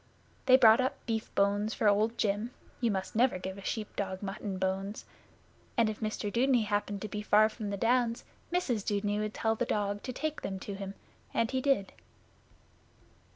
They brought up beef bones for Old Jim (you must never give a sheep dog mutton bones), and if Mr Dudeney happened to be far in the Downs, Mrs Dudeney would tell the dog to take them to him, and he did.